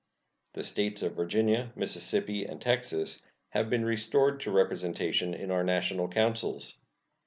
The States of Virginia, Mississippi, and Texas have been restored to representation in our national councils.